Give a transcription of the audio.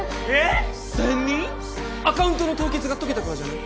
アカウントの凍結が解けたからじゃない？